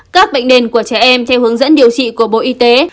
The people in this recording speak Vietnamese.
các bệnh nền của trẻ em theo hướng dẫn điều trị của bộ y tế